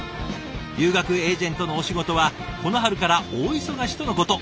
留学エージェントのお仕事はこの春から大忙しとのこと。